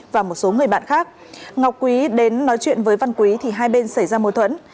và một số người bạn khác ngọc quý đến nói chuyện với văn quý thì hai bên xảy ra mâu thuẫn